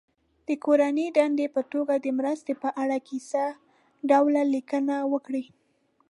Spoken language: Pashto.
د کورنۍ دندې په توګه د مرستې په اړه کیسه ډوله لیکنه وکړي.